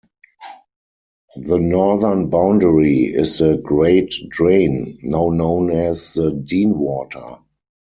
The northern boundary is the "Great Drain", now known as the Dean Water.